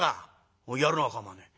「おおやるのは構わねえ。